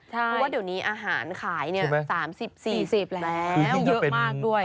เพราะว่าเดี๋ยวนี้อาหารขาย๓๐๔๐แล้วเยอะมากด้วย